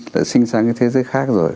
là sinh sang cái thế giới khác rồi